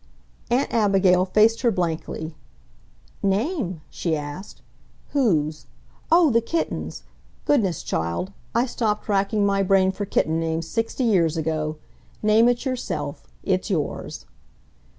Aunt Abigail faced her blankly. "Name?" she asked. "Whose ... oh, the kitten's? Goodness, child, I stopped racking my brain for kitten names sixty years ago. Name it yourself. It's yours."